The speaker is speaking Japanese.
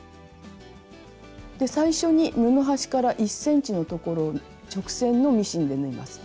最初に布端から１ｃｍの所を直線のミシンで縫います。